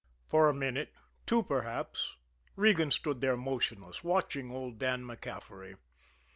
For a minute, two perhaps, Regan stood there motionless, watching old Dan MacCaffery.